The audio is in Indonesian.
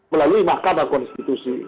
melalui makamah konstitusi